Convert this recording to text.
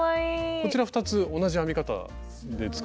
こちら２つ同じ編み方で作った？